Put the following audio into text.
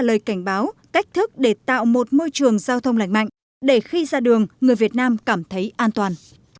đây là lời cảnh báo cách thức để tạo một môi trường giao thông lạnh mạnh để khi ra đường người việt nam cảm thấy an toàn